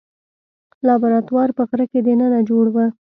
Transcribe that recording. لابراتوار په غره کې دننه جوړ و.